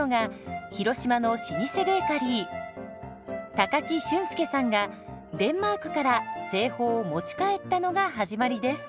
高木俊介さんがデンマークから製法を持ち帰ったのが始まりです。